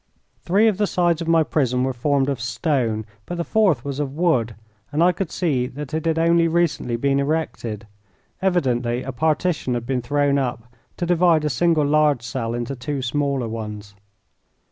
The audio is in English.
Three of the sides of my prison were formed of stone, but the fourth was of wood, and I could see that it had only recently been erected. Evidently a partition had been thrown up to divide a single large cell into two smaller ones.